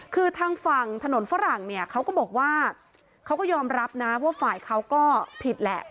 คือทางฝั่งถนนฝรั่งเนี่ยเขาก็บอกว่าเขาก็ยอมรับนะว่าฝ่ายเขาก็ผิดแหละ